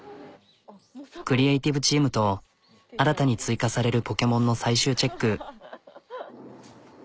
クリエーティブチームと新たに追加されるポケモンの最終チェック。